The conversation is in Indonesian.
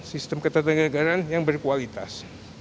sistem ketenteraan yang berkualitas